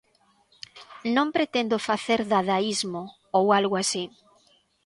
Non pretendo facer dadaísmo ou algo así.